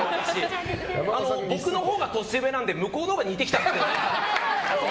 僕のほうが年上なので向こうのほうが似てきたんです。